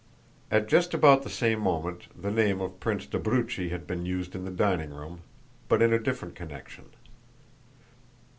At just about the same moment the name of Prince d'Abruzzi had been used in the dining room, but in a different connection.